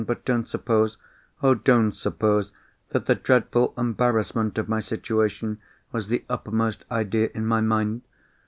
But don't suppose—oh, don't suppose—that the dreadful embarrassment of my situation was the uppermost idea in my mind!